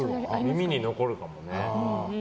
耳に残るかもね。